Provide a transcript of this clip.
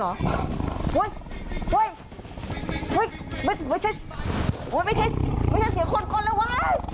โอ๊ยโอ๊ยโอ๊ยไม่ใช่ไม่ใช่เสียคนโกนเร็วไว้